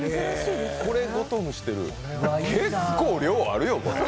これごと蒸してる、結構量あるよ、これ。